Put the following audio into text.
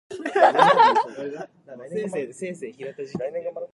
Rimac Automobili has its headquarters in the town.